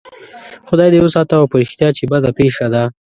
خدای دې وساته او په رښتیا چې بده پېښه ده.